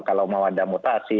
kalau mau ada mutasi